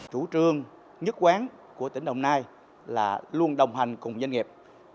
chủ trương nhất quán của tỉnh đồng nai là luôn đồng hành cùng doanh nghiệp